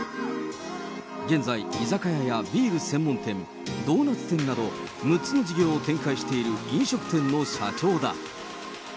現在、居酒屋やビール専門店、ドーナツ店など、６つの事業を展開している飲食店の社長だ。